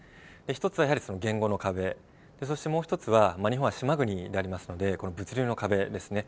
一つはやはり言語の壁、そしてもう一つは、日本は島国でありますので、物流の壁ですね。